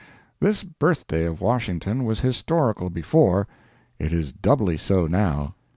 This birthday of Washington was historical before; it is doubly so now.